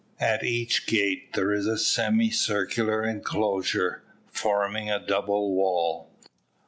At each gate there is a semicircular enclosure, forming a double wall.